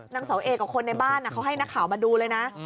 นางเสาเอกกับคนในบ้านเขาให้นักข่าวมาดูเลยนะ